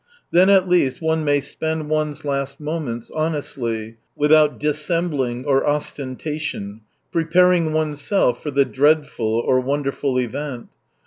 Then at least one may spend one's last moments honestly, without dissembling or ostentation, preparing oneself for the dread ful, or wonderful, event.